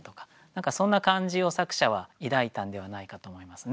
そんな感じを作者は抱いたんではないかなと思いますね。